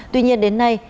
tuy nhiên đến nay